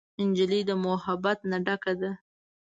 نجلۍ د محبت نه ډکه ده.